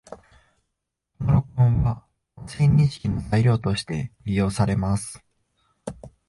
この録音は、音声認識の材料として利用されます